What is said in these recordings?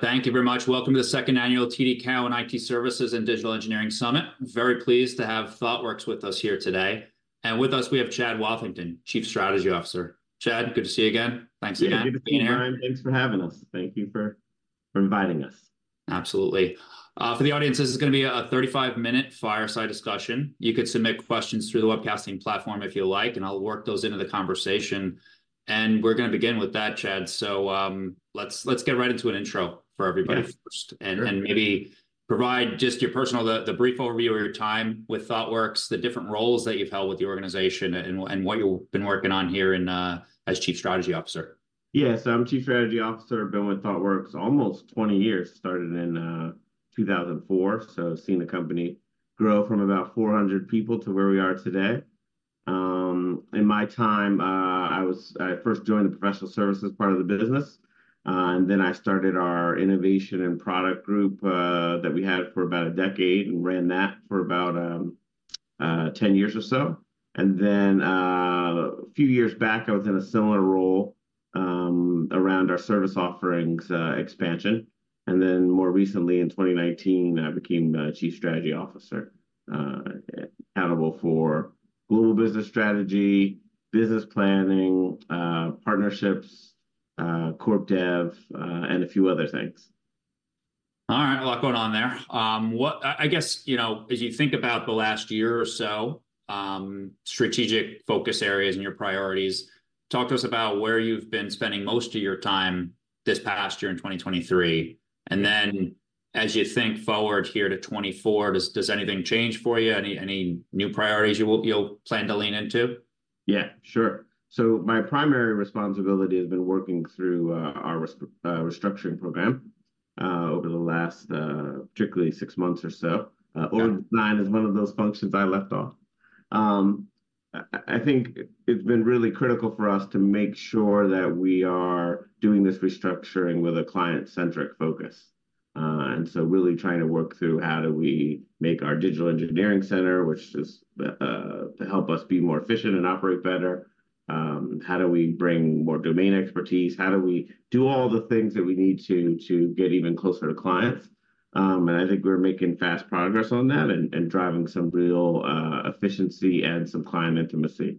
Thank you very much. Welcome to the second annual TD Cowen IT Services and Digital Engineering Summit. Very pleased to have Thoughtworks with us here today. With us, we have Chad Wathington, Chief Strategy Officer. Chad, good to see you again. Thanks again for being here. Yeah, thanks for having us. Thank you for inviting us. Absolutely. For the audience, this is gonna be a 35-minute fireside discussion. You can submit questions through the webcasting platform if you like, and I'll work those into the conversation. We're gonna begin with that, Chad, so let's get right into an intro for everybody- Yeah... first. Sure. Maybe provide just your personal, the brief overview of your time with Thoughtworks, the different roles that you've held with the organization, and what you've been working on here in, as Chief Strategy Officer. Yeah. So I'm Chief Strategy Officer. I've been with Thoughtworks almost 20 years, started in 2004, so seeing the company grow from about 400 people to where we are today. In my time, I first joined the professional services part of the business, and then I started our innovation and product group that we had for about a decade and ran that for about 10 years or so. And then a few years back, I was in a similar role around our service offerings expansion. And then more recently, in 2019, I became the Chief Strategy Officer, accountable for global business strategy, business planning, partnerships, corp dev, and a few other things. All right, a lot going on there. I guess, you know, as you think about the last year or so, strategic focus areas and your priorities, talk to us about where you've been spending most of your time this past year in 2023. And then, as you think forward here to 2024, does anything change for you? Any new priorities you plan to lean into? Yeah, sure. So my primary responsibility has been working through our restructuring program over the last particularly six months or so. Yeah. Org design is one of those functions I left off. I think it's been really critical for us to make sure that we are doing this restructuring with a client-centric focus. And so really trying to work through how do we make our Digital Engineering Center, which is to help us be more efficient and operate better, how do we bring more domain expertise? How do we do all the things that we need to, to get even closer to clients? I think we're making fast progress on that and driving some real efficiency and some client intimacy.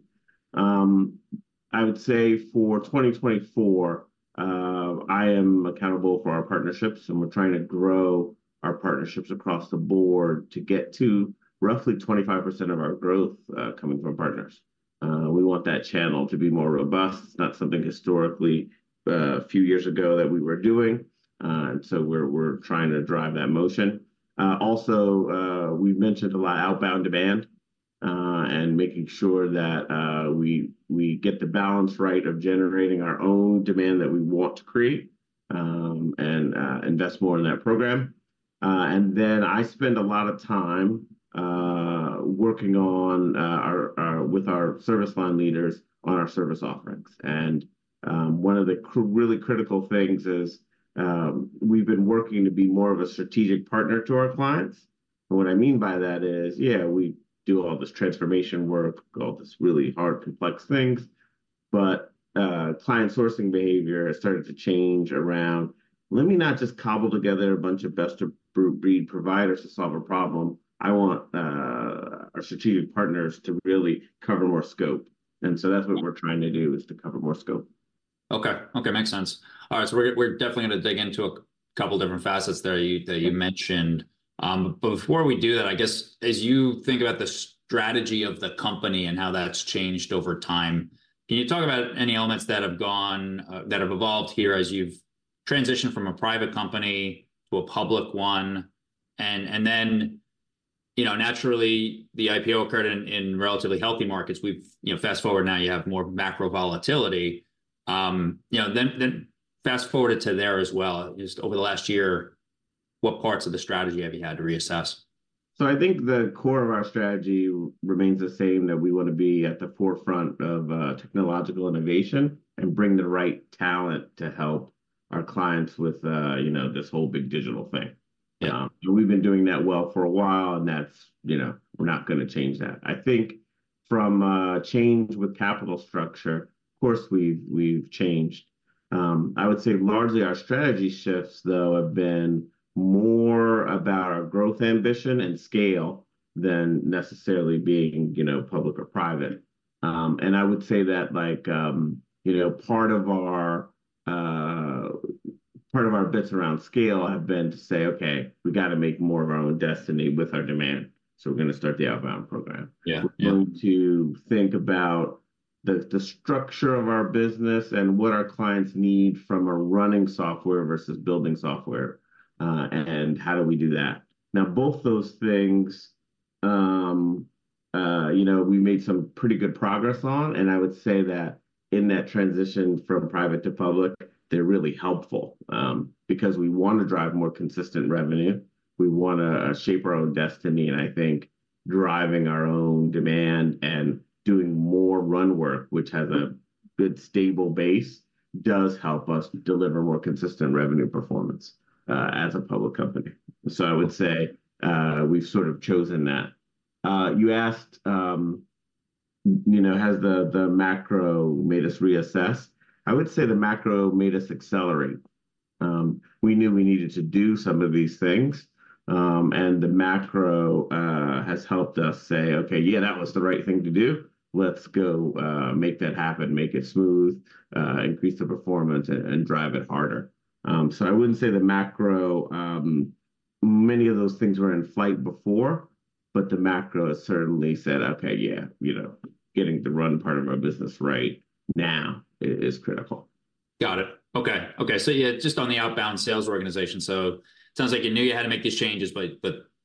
I would say for 2024, I am accountable for our partnerships, and we're trying to grow our partnerships across the board to get to roughly 25% of our growth coming from partners. We want that channel to be more robust. It's not something historically, a few years ago that we were doing, and so we're trying to drive that motion. Also, we've mentioned a lot outbound demand, and making sure that we get the balance right of generating our own demand that we want to create, and invest more in that program. And then I spend a lot of time working on our with our service line leaders on our service offerings. And one of the really critical things is, we've been working to be more of a strategic partner to our clients. What I mean by that is, yeah, we do all this transformation work, all these really hard, complex things, but, client sourcing behavior has started to change around, "Let me not just cobble together a bunch of best-of-breed providers to solve a problem. I want, our strategic partners to really cover more scope." And so that's what we're trying to do, is to cover more scope. Okay. Okay, makes sense. All right, so we're, we're definitely gonna dig into a couple different facets there that you mentioned. But before we do that, I guess, as you think about the strategy of the company and how that's changed over time, can you talk about any elements that have gone, that have evolved here as you've transitioned from a private company to a public one? And, and then, you know, naturally, the IPO occurred in, in relatively healthy markets. You know, fast-forward, now you have more macro volatility. You know, then fast-forward it to there as well. Just over the last year, what parts of the strategy have you had to reassess? I think the core of our strategy remains the same, that we want to be at the forefront of technological innovation and bring the right talent to help our clients with, you know, this whole big digital thing. Yeah. And we've been doing that well for a while, and that's, you know, we're not gonna change that. I think from change with capital structure, of course, we've changed. I would say largely our strategy shifts, though, have been more about our growth, ambition, and scale than necessarily being, you know, public or private. And I would say that, like, you know, part of our bits around scale have been to say, "Okay, we've got to make more of our own destiny with our demand, so we're gonna start the outbound program. Yeah, yeah. We're going to think about the, the structure of our business and what our clients need from a running software versus building software, and how do we do that? Now, both those things, you know, we made some pretty good progress on, and I would say that in that transition from private to public, they're really helpful, because we want to drive more consistent revenue. We wanna shape our own destiny, and I think driving our own demand and doing more run work, which has a good, stable base, does help us deliver more consistent revenue performance, as a public company. So I would say, we've sort of chosen that. You asked, you know, has the macro made us reassess? I would say the macro made us accelerate. We knew we needed to do some of these things, and the macro has helped us say, "Okay, yeah, that was the right thing to do. Let's go make that happen, make it smooth, increase the performance and drive it harder." So I wouldn't say the macro, many of those things were in flight before, but the macro has certainly said, "Okay, yeah, you know, getting the run part of our business right now is critical. Got it. Okay, okay. So yeah, just on the outbound sales organization, so sounds like you knew you had to make these changes, but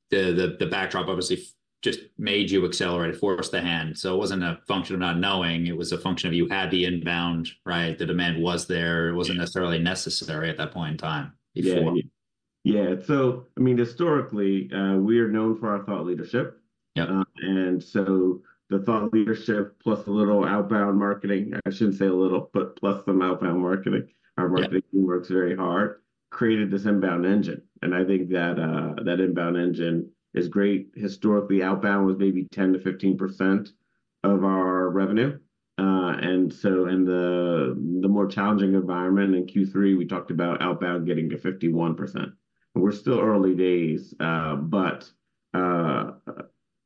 the backdrop obviously just made you accelerate, forced the hand. So it wasn't a function of not knowing, it was a function of you had the inbound, right? The demand was there. Yeah. It wasn't necessarily necessary at that point in time before. Yeah. Yeah, so I mean, historically, we are known for our thought leadership. Yeah. and so the thought leadership, plus a little outbound marketing, I shouldn't say a little, but plus some outbound marketing- Yeah... our marketing team works very hard, created this inbound engine, and I think that that inbound engine is great. Historically, outbound was maybe 10%-15% of our revenue. And so in the more challenging environment in Q3, we talked about outbound getting to 51%. We're still early days, but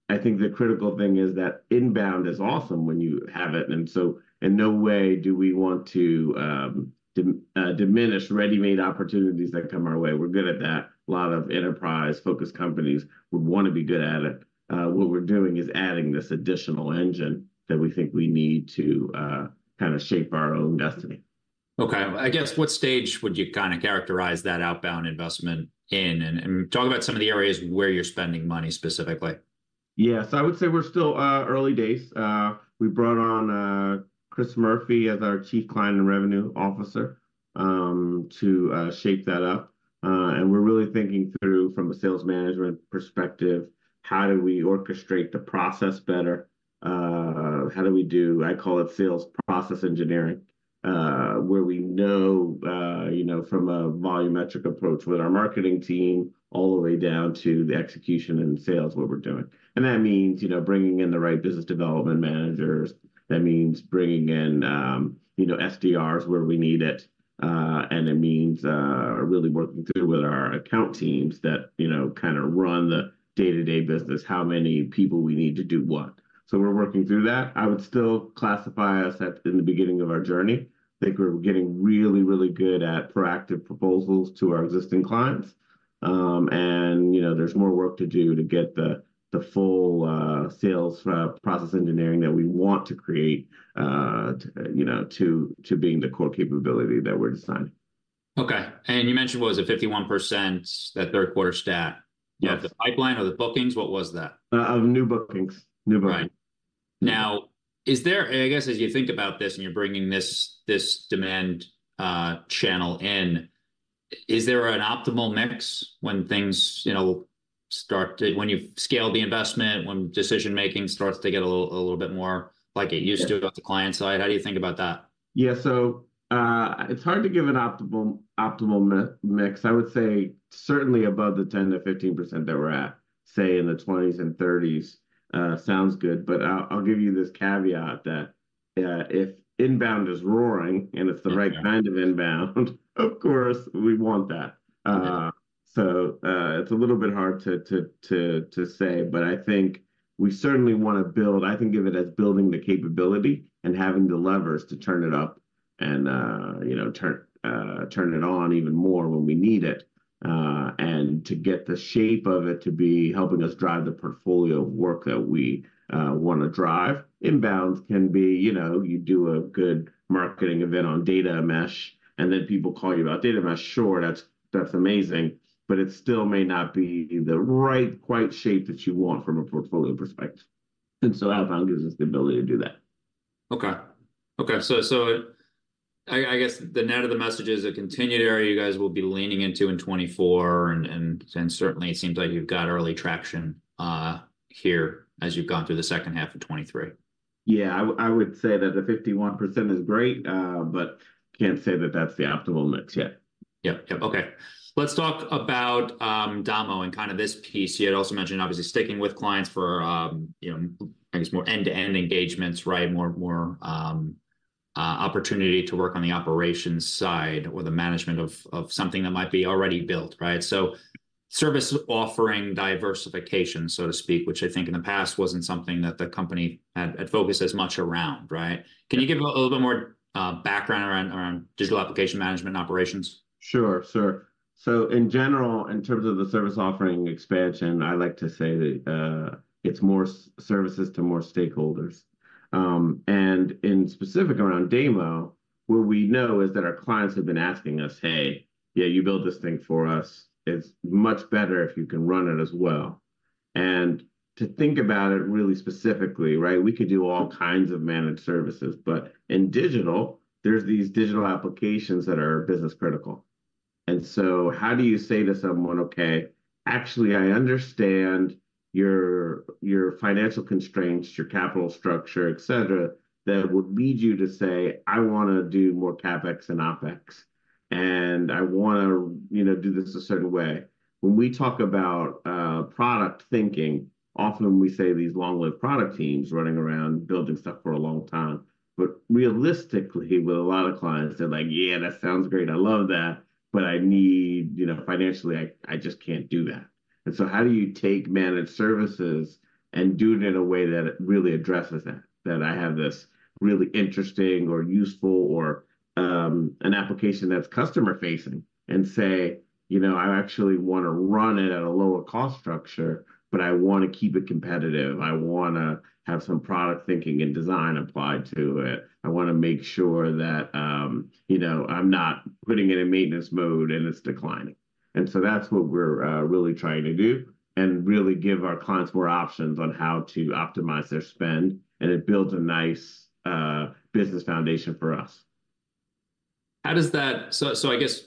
I think the critical thing is that inbound is awesome when you have it, and so in no way do we want to diminish ready-made opportunities that come our way. We're good at that. A lot of enterprise-focused companies would want to be good at it. What we're doing is adding this additional engine that we think we need to kind of shape our own destiny. Okay. I guess, what stage would you kind of characterize that outbound investment in? And, talk about some of the areas where you're spending money specifically. Yeah. So I would say we're still early days. We brought on Chris Murphy as our Chief Client and Revenue Officer to shape that up. And we're really thinking through from a sales management perspective, how do we orchestrate the process better? How do we do, I call it, sales process engineering, where we know you know, from a volumetric approach with our marketing team, all the way down to the execution and sales, what we're doing. And that means, you know, bringing in the right business development managers. That means bringing in you know, SDRs, where we need it. And it means really working through with our account teams that you know, kind of run the day-to-day business, how many people we need to do what. So we're working through that. I would still classify us at the beginning of our journey. I think we're getting really, really good at proactive proposals to our existing clients. And you know, there's more work to do to get the full sales process engineering that we want to create, you know, to being the core capability that we're designing. Okay. And you mentioned, what was it? 51%, that third quarter stat- Yeah... of the pipeline or the bookings? What was that? of new bookings. New bookings. Right. Mm-hmm. Now, is there... I guess, as you think about this, and you're bringing this, this demand channel in, is there an optimal mix when things, you know, start to- when you've scaled the investment, when decision-making starts to get a little, a little bit more like it used to? Yeah... about the client side? How do you think about that? Yeah. So, it's hard to give an optimal mix. I would say certainly above the 10%-15% that we're at, say in the 20%-30%, sounds good, but I'll give you this caveat that if inbound is roaring- Yeah... and it's the right kind of inbound, of course, we want that. Yeah. So, it's a little bit hard to say, but I think we certainly want to build... I think of it as building the capability and having the levers to turn it up and, you know, turn it on even more when we need it. And to get the shape of it to be helping us drive the portfolio of work that we want to drive. Inbounds can be, you know, you do a good marketing event on Data Mesh, and then people call you about Data Mesh. Sure, that's amazing, but it still may not be the right quite shape that you want from a portfolio perspective. And so outbound gives us the ability to do that. Okay. Okay. So, so I, I guess the net of the message is a continued area you guys will be leaning into in 2024, and, and, and certainly, it seems like you've got early traction, here, as you've gone through the second half of 2023. Yeah, I would say that the 51% is great, but can't say that that's the optimal mix yet. Yep, yep. Okay. Let's talk about DAMO and kind of this piece. You had also mentioned, obviously, sticking with clients for, you know, I guess more end-to-end engagements, right? More, more, opportunity to work on the operations side or the management of something that might be already built, right? So service offering diversification, so to speak, which I think in the past wasn't something that the company had focused as much around, right? Yeah. Can you give a little bit more background around Digital Application Management and Operations? Sure, sure. So in general, in terms of the service offering expansion, I like to say that, it's more services to more stakeholders. And in specific around DAMO, what we know is that our clients have been asking us, "Hey, yeah, you built this thing for us. It's much better if you can run it as well." And to think about it really specifically, right, we could do all kinds of managed services, but in digital, there's these digital applications that are business-critical. And so how do you say to someone, "Okay, actually, I understand your financial constraints, your capital structure, et cetera," that would lead you to say, "I wanna do more CapEx and OpEx?"... and I wanna, you know, do this a certain way. When we talk about, product thinking, often we say these long-lived product teams running around, building stuff for a long time. But realistically, with a lot of clients, they're like, "Yeah, that sounds great, I love that, but I need, you know, financially, I, I just can't do that." And so how do you take managed services and do it in a way that it really addresses that, that I have this really interesting or useful or, an application that's customer-facing, and say, "You know, I actually wanna run it at a lower cost structure, but I wanna keep it competitive. I wanna have some product thinking and design applied to it. I wanna make sure that, you know, I'm not putting it in maintenance mode and it's declining"? And so that's what we're really trying to do, and really give our clients more options on how to optimize their spend, and it builds a nice business foundation for us. How does that... So, so I guess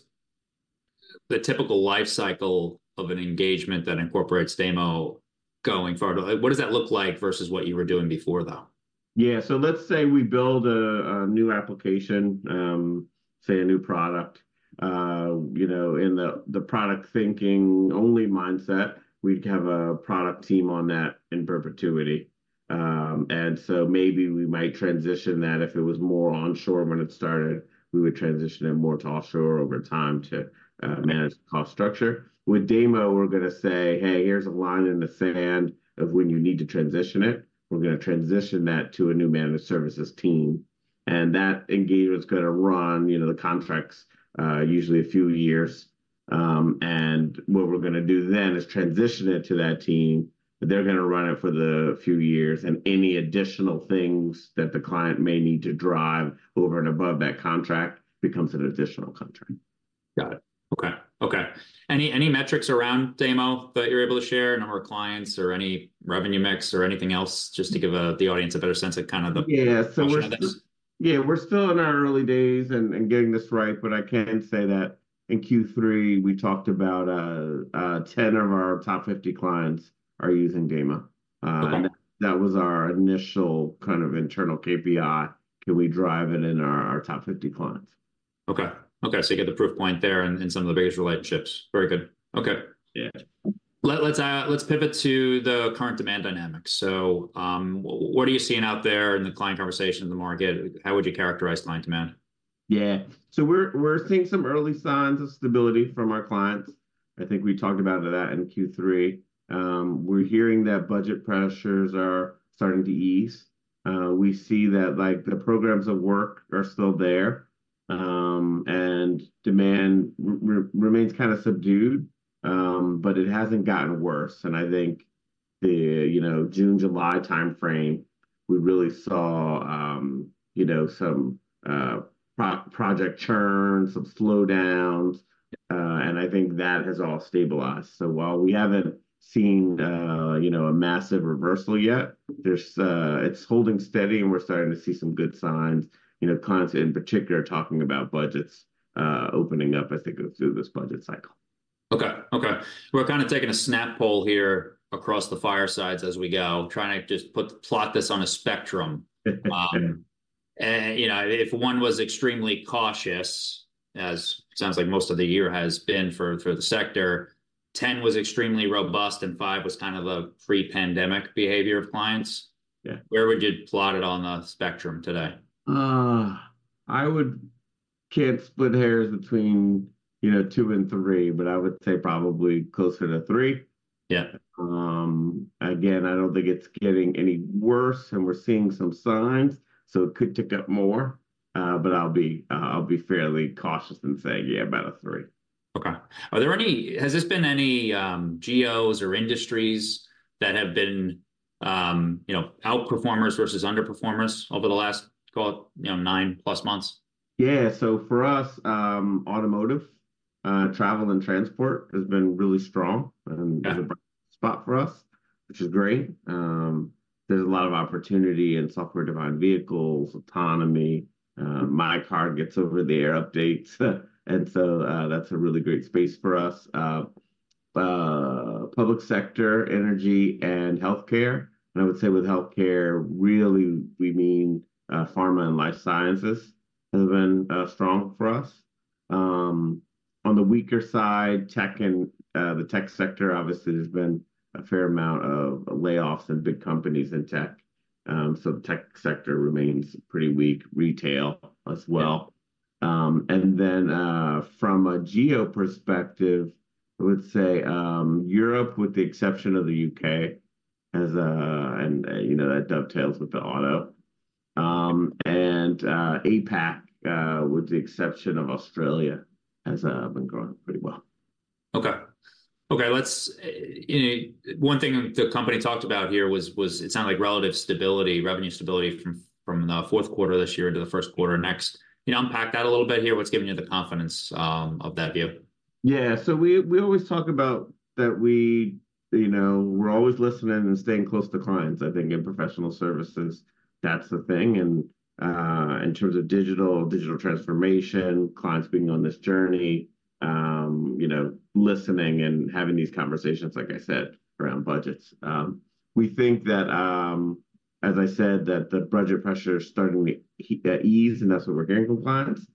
the typical life cycle of an engagement that incorporates DAMO going forward, what does that look like versus what you were doing before, though? Yeah. So let's say we build a new application, say, a new product. You know, in the product-thinking-only mindset, we'd have a product team on that in perpetuity. And so maybe we might transition that. If it was more onshore when it started, we would transition it more to offshore over time to manage the cost structure. With DAMO, we're gonna say, "Hey, here's a line in the sand of when you need to transition it. We're gonna transition that to a new managed services team," and that engagement's gonna run, you know, the contract's usually a few years. And what we're gonna do then is transition it to that team. They're gonna run it for the few years, and any additional things that the client may need to drive over and above that contract becomes an additional contract. Got it. Okay, okay. Any metrics around DAMO that you're able to share, number of clients or any revenue mix or anything else just to give the audience a better sense of kind of the- Yeah, so we're- Portion of this?... yeah, we're still in our early days and getting this right, but I can say that in Q3, we talked about 10 of our top 50 clients are using DAMO. Okay. That was our initial kind of internal KPI. Can we drive it in our top 50 clients? Okay, okay, so you get the proof point there in some of the biggest relationships. Very good. Okay. Yeah. Let's pivot to the current demand dynamics. So, what are you seeing out there in the client conversation in the market? How would you characterize client demand? Yeah. So we're seeing some early signs of stability from our clients. I think we talked about that in Q3. We're hearing that budget pressures are starting to ease. We see that, like, the programs of work are still there, and demand remains kind of subdued, but it hasn't gotten worse. And I think the, you know, June/July timeframe, we really saw, you know, some project churn, some slowdowns, and I think that has all stabilized. So while we haven't seen, you know, a massive reversal yet, there's... It's holding steady, and we're starting to see some good signs. You know, clients in particular are talking about budgets opening up as they go through this budget cycle. Okay, okay. We're kind of taking a snap poll here across the firesides as we go, trying to just plot this on a spectrum. And, you know, if 1 was extremely cautious, as sounds like most of the year has been for the sector, 10 was extremely robust, and 5 was kind of a pre-pandemic behavior of clients- Yeah. Where would you plot it on the spectrum today? Can't split hairs between, you know, 2 and 3, but I would say probably closer to 3. Yeah. Again, I don't think it's getting any worse, and we're seeing some signs, so it could tick up more. But I'll be fairly cautious in saying, yeah, about a 3. Okay. Has there been any, you know, geos or industries that have been, you know, outperformers versus underperformers over the last, call it, 9+ months? Yeah. For us, automotive, travel and transport has been really strong- Yeah... is a bright spot for us, which is great. There's a lot of opportunity in software-defined vehicles, autonomy. My car gets over-the-air updates, and so, that's a really great space for us. Public sector, energy, and healthcare, and I would say with healthcare, really we mean, pharma and life sciences, have been strong for us. On the weaker side, tech and, the tech sector, obviously there's been a fair amount of layoffs in big companies in tech, so the tech sector remains pretty weak. Retail as well. Yeah. and then from a geo perspective, I would say Europe, with the exception of the UK, has. And you know, that dovetails with the auto. and APAC, with the exception of Australia, has been growing pretty well. Okay. Okay, let's, you know, one thing the company talked about here was it sounded like relative stability, revenue stability from the fourth quarter of this year into the first quarter next. Can you unpack that a little bit here? What's giving you the confidence of that view? Yeah. So we always talk about that we, you know, we're always listening and staying close to clients. I think in professional services, that's the thing, and in terms of digital transformation, clients being on this journey, you know, listening and having these conversations, like I said, around budgets. We think that, as I said, that the budget pressure is starting to ease, and that's what we're getting from clients.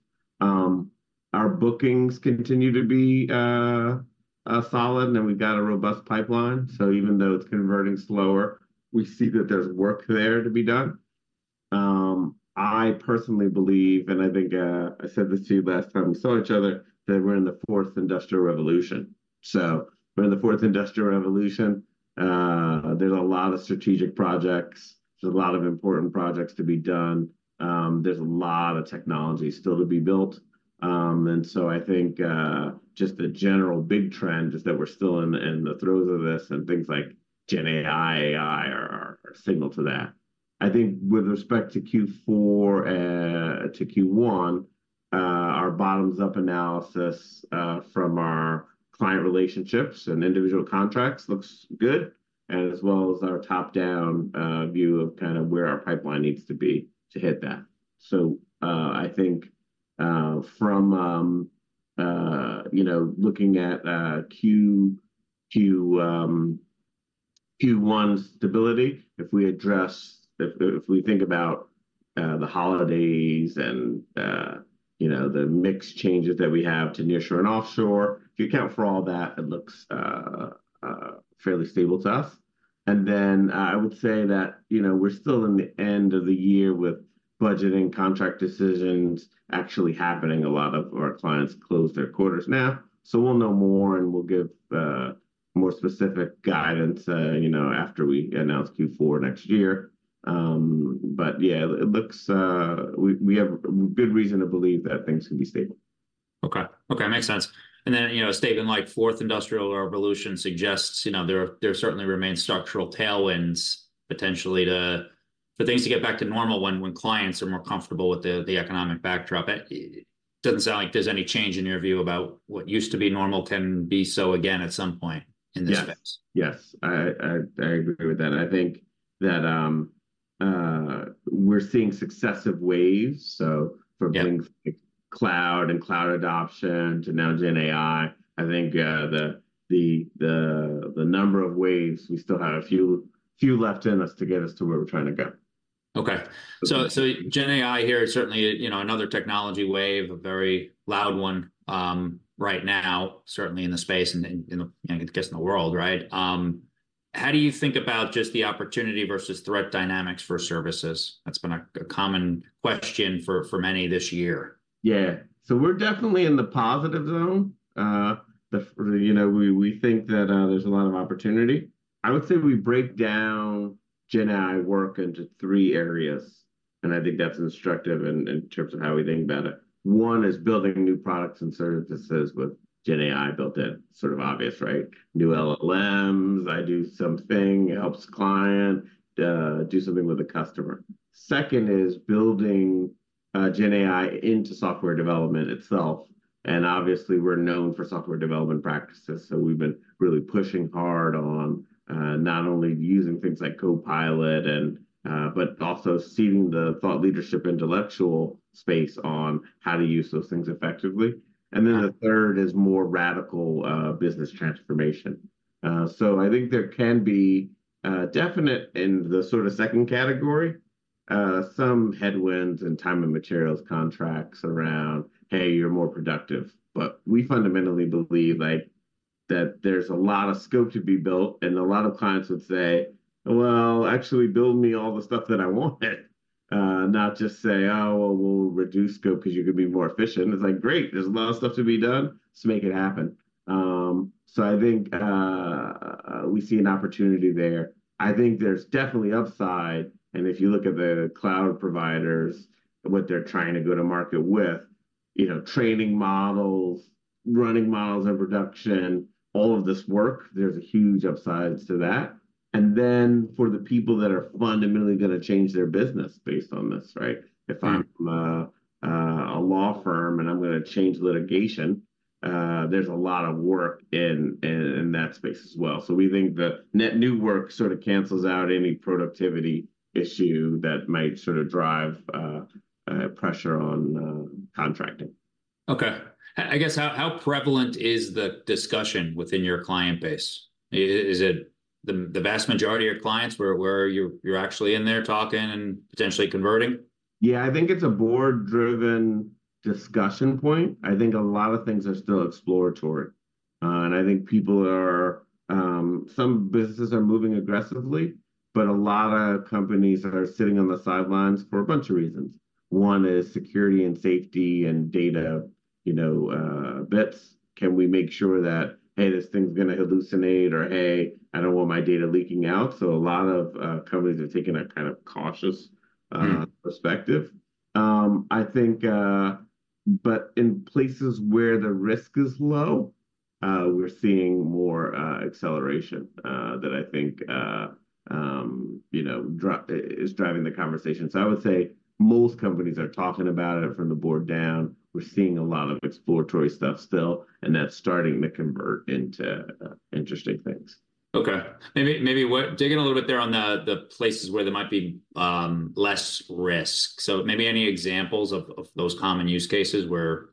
Our bookings continue to be solid, and we've got a robust pipeline. So even though it's converting slower, we see that there's work there to be done. I personally believe, and I think, I said this to you last time we saw each other, that we're in the Fourth Industrial Revolution. So we're in the Fourth Industrial Revolution. There's a lot of strategic projects, there's a lot of important projects to be done. There's a lot of technology still to be built. And so I think just the general big trend is that we're still in the, in the throes of this, and things like GenAI, AI are a signal to that. I think with respect to Q4 to Q1 our bottoms-up analysis from our client relationships and individual contracts looks good, as well as our top-down view of kind of where our pipeline needs to be to hit that. So, I think, from, you know, looking at Q2 to Q1 stability, if we address—if we think about the holidays and, you know, the mix changes that we have to nearshore and offshore, if you account for all that, it looks fairly stable to us. And then, I would say that, you know, we're still in the end of the year with budgeting contract decisions actually happening. A lot of our clients close their quarters now, so we'll know more, and we'll give more specific guidance, you know, after we announce Q4 next year. But yeah, it looks, we have good reason to believe that things will be stable. Okay. Okay, makes sense. And then, you know, a statement like Fourth Industrial Revolution suggests, you know, there certainly remains structural tailwinds potentially to, for things to get back to normal when clients are more comfortable with the economic backdrop. It doesn't sound like there's any change in your view about what used to be normal can be so again at some point in this space. Yes. I agree with that. I think that we're seeing successive waves, so- Yeah... from things like cloud and cloud adoption to now GenAI. I think, the number of waves, we still have a few left in us to get us to where we're trying to go. Okay. So GenAI here is certainly, you know, another technology wave, a very loud one, right now, certainly in the space and in, you know, I guess in the world, right? How do you think about just the opportunity versus threat dynamics for services? That's been a common question for many this year. Yeah. So we're definitely in the positive zone. You know, we think that there's a lot of opportunity. I would say we break down GenAI work into three areas, and I think that's instructive in terms of how we think about it. One is building new products and services with GenAI built in. Sort of obvious, right? New LLMs, I do something, helps client do something with the customer. Second is building GenAI into software development itself, and obviously, we're known for software development practices, so we've been really pushing hard on not only using things like Copilot and but also seeding the thought leadership intellectual space on how to use those things effectively. Mm. And then the third is more radical, business transformation. So I think there can be, definitely in the sort of second category, some headwinds and time and materials contracts around, "Hey, you're more productive." But we fundamentally believe, like, that there's a lot of scope to be built, and a lot of clients would say: "Well, actually build me all the stuff that I wanted," not just say: "Oh, well, we'll reduce scope 'cause you're gonna be more efficient." It's like, "Great, there's a lot of stuff to be done. Let's make it happen." So I think, we see an opportunity there. I think there's definitely upside, and if you look at the cloud providers, what they're trying to go to market with, you know, training models, running models in production, all of this work, there's a huge upside to that. For the people that are fundamentally gonna change their business based on this, right? Mm. If I'm a law firm and I'm gonna change litigation, there's a lot of work in that space as well. So we think the net new work sort of cancels out any productivity issue that might sort of drive pressure on contracting. Okay. I guess, how prevalent is the discussion within your client base? Is it the vast majority of clients where you're actually in there talking and potentially converting? Yeah, I think it's a board-driven discussion point. I think a lot of things are still exploratory, and I think people are, some businesses are moving aggressively, but a lot of companies are sitting on the sidelines for a bunch of reasons. One is security and safety and data, you know, bits. Can we make sure that, hey, this thing's gonna hallucinate, or, hey, I don't want my data leaking out? So a lot of companies are taking a kind of cautious- Mm... perspective. I think, but in places where the risk is low, we're seeing more acceleration that I think, you know, is driving the conversation. So I would say most companies are talking about it from the board down. We're seeing a lot of exploratory stuff still, and that's starting to convert into interesting things. Okay, maybe what dig in a little bit there on the places where there might be less risk. So maybe any examples of those common use cases where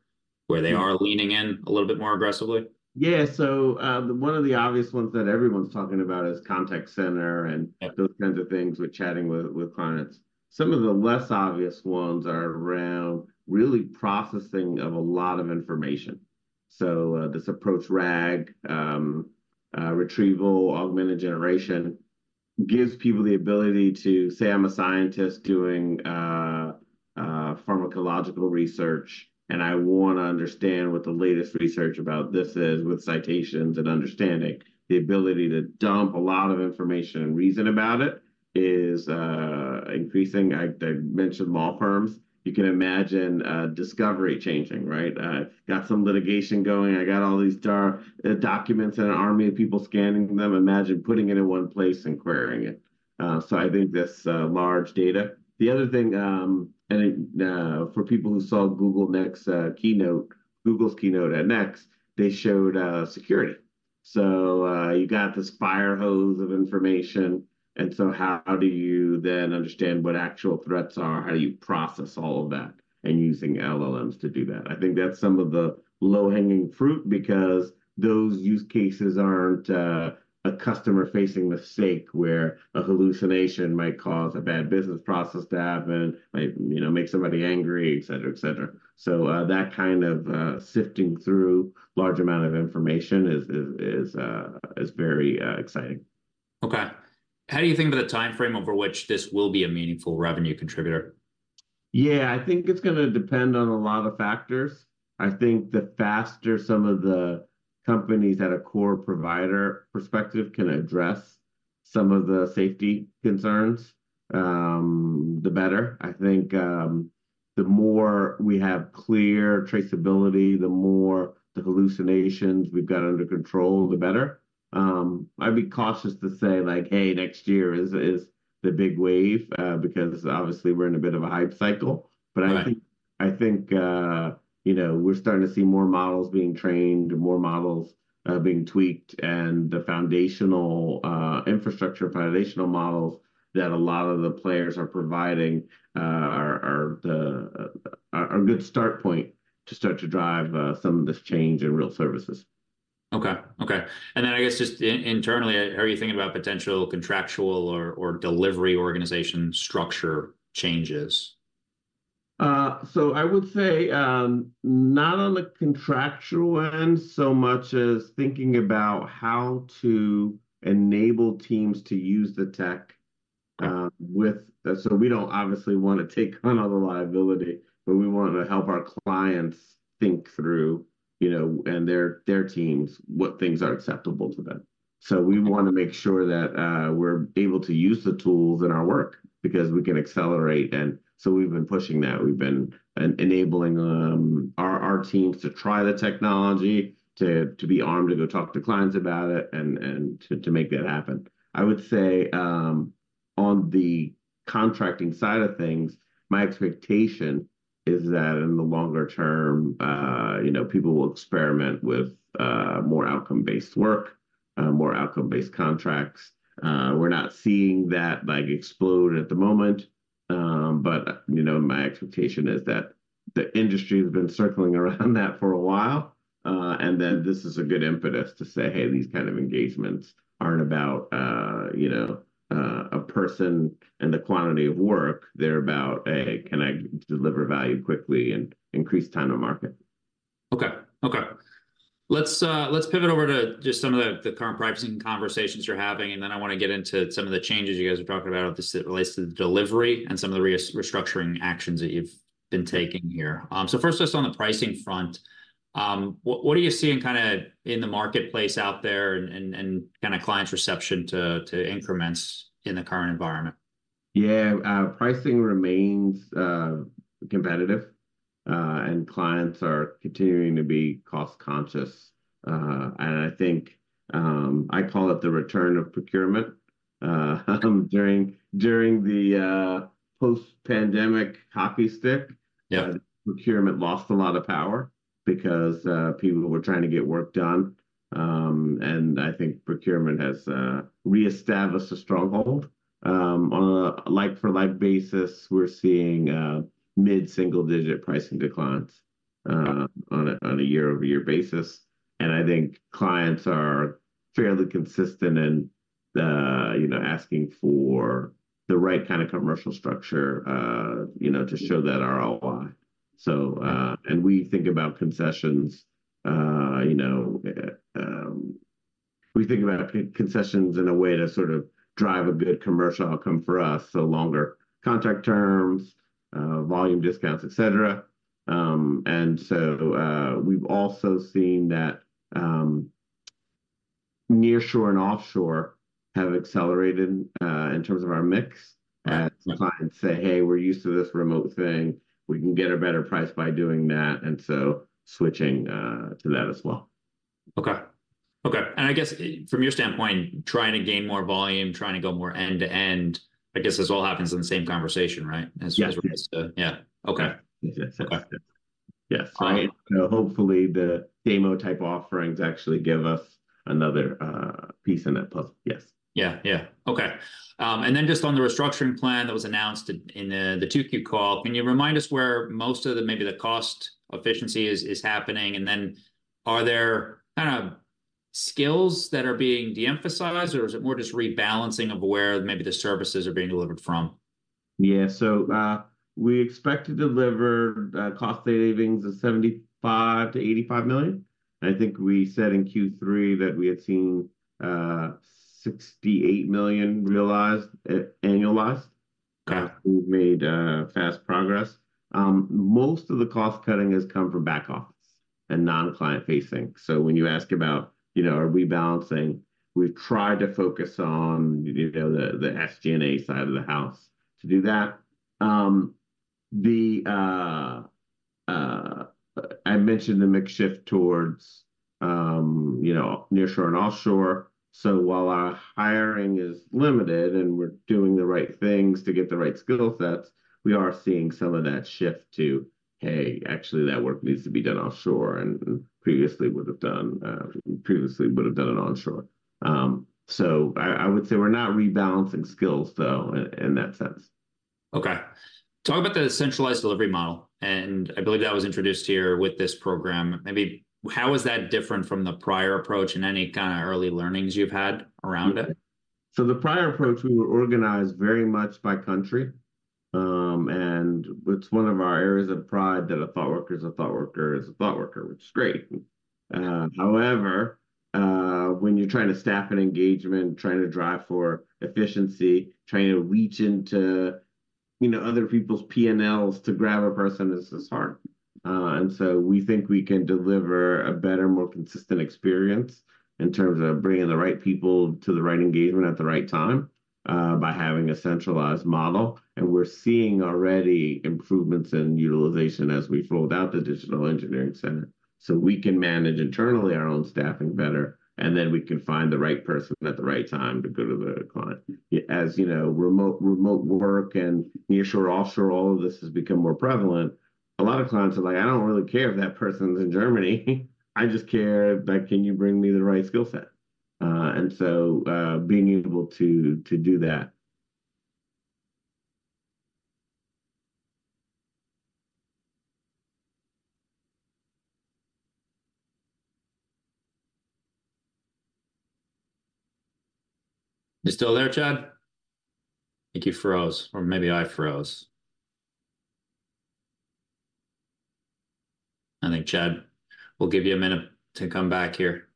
they are leaning in a little bit more aggressively? Yeah, so, the one of the obvious ones that everyone's talking about is contact center and- Right Those kinds of things with chatting with, with clients. Some of the less obvious ones are around really processing of a lot of information. So, this approach, RAG, Retrieval Augmented Generation, gives people the ability to say, "I'm a scientist doing pharmacological research, and I wanna understand what the latest research about this is," with citations and understanding. The ability to dump a lot of information and reason about it is increasing. I mentioned law firms. You can imagine discovery changing, right? I've got some litigation going. I got all these documents and an army of people scanning them. Imagine putting it in one place and querying it. So I think this large data. The other thing, and, for people who saw Google Next keynote, Google's keynote at Next, they showed security. So, you got this fire hose of information, and so how do you then understand what actual threats are? How do you process all of that, and using LLMs to do that? I think that's some of the low-hanging fruit because those use cases aren't a customer-facing mistake, where a hallucination might cause a bad business process to happen, might, you know, make somebody angry, et cetera, et cetera. So, that kind of sifting through large amount of information is very exciting. Okay. How do you think about the timeframe over which this will be a meaningful revenue contributor? Yeah, I think it's gonna depend on a lot of factors. I think the faster some of the companies at a core provider perspective can address some of the safety concerns, the better. I think, the more we have clear traceability, the more the hallucinations we've got under control, the better. I'd be cautious to say, like, "Hey, next year is the big wave," because obviously we're in a bit of a hype cycle. Right. But I think, I think, you know, we're starting to see more models being trained and more models being tweaked, and the foundational infrastructure, foundational models that a lot of the players are providing are a good start point to start to drive some of this change in real services. Okay. Okay, and then I guess just internally, how are you thinking about potential contractual or delivery organization structure changes? I would say, not on the contractual end, so much as thinking about how to enable teams to use the tech. Right... with, so we don't obviously wanna take on all the liability, but we wanna help our clients think through, you know, and their, their teams, what things are acceptable to them. Right. So we wanna make sure that we're able to use the tools in our work because we can accelerate, and so we've been pushing that. We've been enabling our teams to try the technology, to be armed to go talk to clients about it, and to make that happen. I would say on the contracting side of things, my expectation is that in the longer term, you know, people will experiment with more outcome-based work, more outcome-based contracts. We're not seeing that, like, explode at the moment, but you know, my expectation is that the industry has been circling around that for a while. And then this is a good impetus to say, "Hey, these kind of engagements aren't about, you know, a person and the quantity of work. They're about, hey, can I deliver value quickly and increase time to market? Okay. Okay. Let's pivot over to just some of the current pricing conversations you're having, and then I wanna get into some of the changes you guys are talking about as it relates to the delivery and some of the restructuring actions that you've been taking here. So first, just on the pricing front, what are you seeing kinda in the marketplace out there and kinda clients' reception to increments in the current environment? Yeah, pricing remains competitive, and clients are continuing to be cost-conscious. I think I call it the return of procurement. During the post-pandemic hockey stick- Yeah... procurement lost a lot of power because people were trying to get work done. I think procurement has re-established a stronghold. On a like-for-like basis, we're seeing mid-single-digit pricing declines on a year-over-year basis, and I think clients are fairly consistent in you know, asking for the right kind of commercial structure you know, to show that ROI. So, we think about concessions you know, we think about concessions in a way to sort of drive a good commercial outcome for us, so longer contract terms, volume discounts, et cetera. And so, we've also seen that nearshore and offshore have accelerated in terms of our mix. Right. Clients say, "Hey, we're used to this remote thing. We can get a better price by doing that," and so switching to that as well. Okay. Okay, and I guess from your standpoint, trying to gain more volume, trying to go more end to end, I guess this all happens in the same conversation, right? Yes. As it relates to... Yeah. Okay. Yeah. Got it. Yes. Um- You know, hopefully, the DAMO-type offerings actually give us another piece in that puzzle. Yes. Yeah, yeah. Okay. And then just on the restructuring plan that was announced in the 2Q call, can you remind us where most of the cost efficiency is happening? And then are there kind of skills that are being de-emphasized, or is it more just rebalancing of where maybe the services are being delivered from? Yeah, so, we expect to deliver cost savings of $75,000,000-$85,000,000. I think we said in Q3 that we had seen $68,000,000 realized, annualized. Okay. We've made fast progress. Most of the cost cutting has come from back office and non-client-facing. So when you ask about, you know, are we balancing, we've tried to focus on, you know, the SG&A side of the house to do that. I mentioned the mix shift towards, you know, nearshore and offshore. So while our hiring is limited, and we're doing the right things to get the right skill sets, we are seeing some of that shift to, hey, actually, that work needs to be done offshore, and previously would have done it onshore. So I would say we're not rebalancing skills, though, in that sense. Okay. Talk about the centralized delivery model, and I believe that was introduced here with this program. Maybe how is that different from the prior approach and any kind of early learnings you've had around it? So the prior approach, we were organized very much by country. And it's one of our areas of pride that a ThoughtWorker is a ThoughtWorker is a ThoughtWorker, which is great. However, when you're trying to staff an engagement, trying to drive for efficiency, trying to reach into, you know, other people's PNLs to grab a person is hard. And so we think we can deliver a better, more consistent experience in terms of bringing the right people to the right engagement at the right time, by having a centralized model. And we're seeing already improvements in utilization as we rolled out the Digital Engineering Center. So we can manage internally our own staffing better, and then we can find the right person at the right time to go to the client. As you know, remote work and nearshore, offshore, all of this has become more prevalent. A lot of clients are like: I don't really care if that person's in Germany. I just care that can you bring me the right skill set? And so, being able to do that. You still there, Chad? I think you froze, or maybe I froze. I think, Chad, we'll give you a minute to come back here.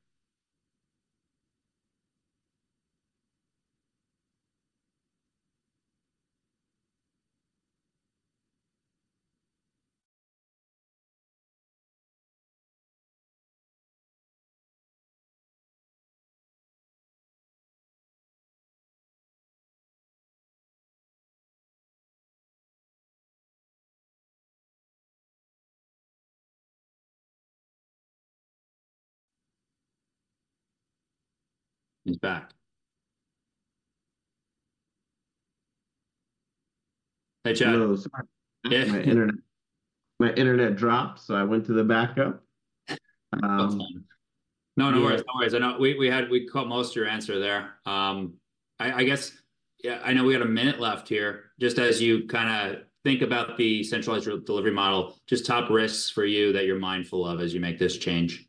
He's back. Hey, Chad. Hello. Yeah. My internet, my internet dropped, so I went to the backup. That's fine. No, no worries. Yeah. No worries. I know we caught most of your answer there. I guess, yeah, I know we got a minute left here. Just as you kind of think about the centralized delivery model, just top risks for you that you're mindful of as you make this change?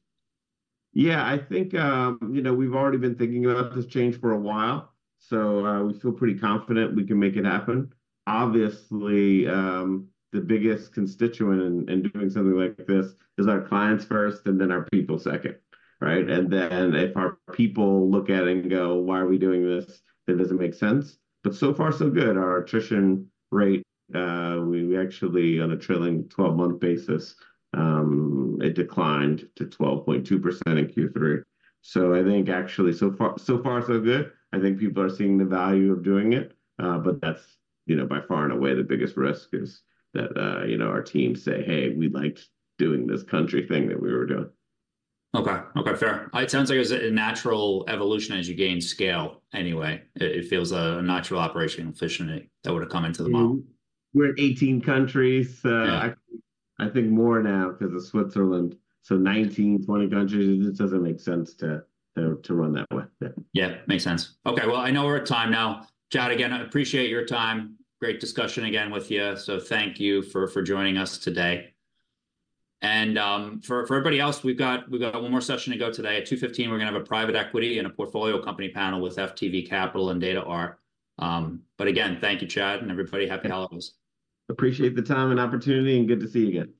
Yeah, I think, you know, we've already been thinking about this change for a while, so, we feel pretty confident we can make it happen. Obviously, the biggest constituent in doing something like this is our clients first, and then our people second, right? And then if our people look at it and go, "Why are we doing this? It doesn't make sense." But so far, so good. Our attrition rate, actually, on a trailing twelve-month basis, it declined to 12.2% in Q3. So I think actually, so far, so good. I think people are seeing the value of doing it, but that's, you know, by far and away, the biggest risk is that, you know, our team say: "Hey, we liked doing this country thing that we were doing. Okay. Okay, fair. It sounds like it was a natural evolution as you gained scale anyway. It feels a natural operational efficiency that would have come into the model. We're in 18 countries. Yeah... I think more now because of Switzerland, so 19, 20 countries. It just doesn't make sense to run that way, yeah. Yeah, makes sense. Okay, well, I know we're at time now. Chad, again, I appreciate your time. Great discussion again with you. So thank you for joining us today. And for everybody else, we've got one more session to go today. At 2:15 P.M., we're going to have a private equity and a portfolio company panel with FTV Capital and DataArt. But again, thank you, Chad, and everybody, happy holidays. Appreciate the time and opportunity, and good to see you again.